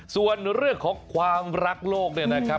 ส่วนเรื่องของความรักโลกเนี่ยนะครับ